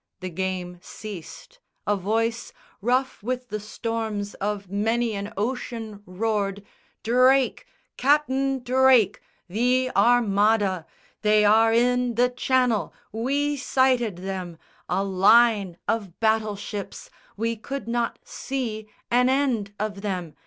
The game ceased. A voice Rough with the storms of many an ocean roared "Drake! Cap'en Drake! The Armada! They are in the Channel! We sighted them A line of battleships! We could not see An end of them.